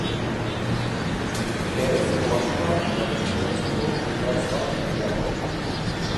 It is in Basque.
Berezko basoa berreskuratzeko urrats bat gehiago.